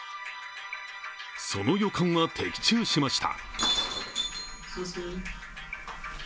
その予感は的中しました。